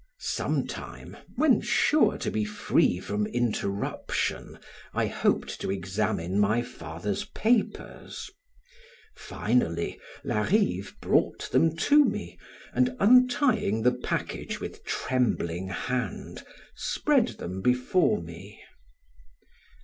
Some time, when sure to be free from interruption, I hoped to examine my father's papers. Finally, Larive brought them to me, and untying the package with trembling hand, spread them before me.